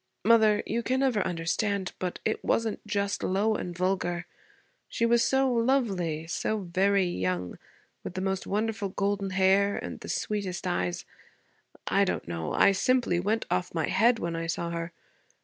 Mother, you can never understand. But it wasn't just low and vulgar. She was so lovely, so very young, with the most wonderful golden hair and the sweetest eyes. I don't know. I simply went off my head when I saw her.